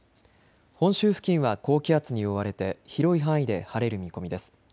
本州付近は高気圧に覆われて広い範囲で晴れる見込みです。